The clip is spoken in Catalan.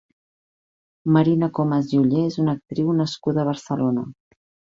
Marina Comas i Oller és una actriu nascuda a Barcelona.